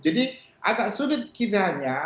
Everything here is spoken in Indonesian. jadi agak sulit kita